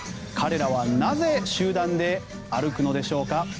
彼らはなぜ、集団で歩くのでしょうか。